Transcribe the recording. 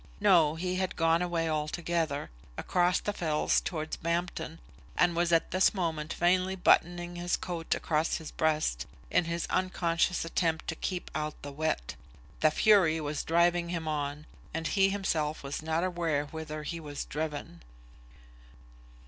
No; he had gone away altogether, across the fells towards Bampton, and was at this moment vainly buttoning his coat across his breast, in his unconscious attempt to keep out the wet. The Fury was driving him on, and he himself was not aware whither he was driven.